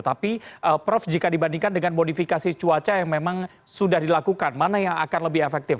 tapi prof jika dibandingkan dengan modifikasi cuaca yang memang sudah dilakukan mana yang akan lebih efektif